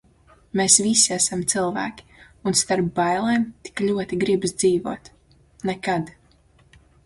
Mēs visi esam cilvēki un starp bailēm tik ļoti gribas dzīvot. Nekad.